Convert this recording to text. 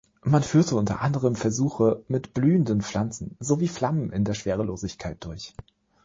Man führte unter anderem Versuche mit blühenden Pflanzen sowie Flammen in der Schwerelosigkeit durch.